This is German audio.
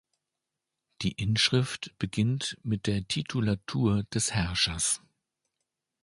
Die Inschrift beginnt mit der Titulatur des Herrschers.